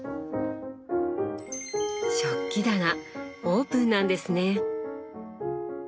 食器棚オープンなんですね。